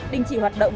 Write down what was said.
đình chỉ hoạt động